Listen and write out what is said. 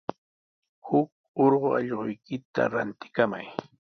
Huk urqu allquykita rantikamay.